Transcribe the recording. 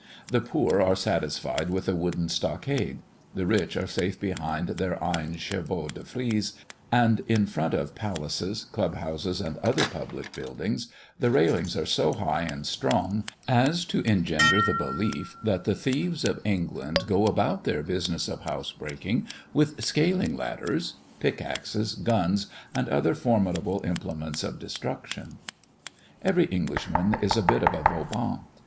The poor are satisfied with a wooden stockade; the rich are safe behind their iron chevaux de frise, and in front of palaces, club houses, and other public buildings, the railings are so high and strong as to engender the belief that the thieves of England go about their business of housebreaking with scaling ladders, pick axes, guns, and other formidable implements of destruction. Every Englishman is a bit of a Vauban.